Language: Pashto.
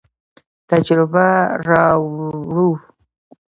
تجربه راوړو.